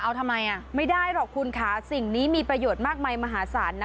เอาทำไมอ่ะไม่ได้หรอกคุณค่ะสิ่งนี้มีประโยชน์มากมายมหาศาลนะ